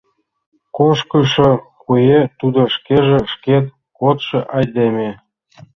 Кошкышо куэ — тудо шкеже, шкет кодшо айдеме.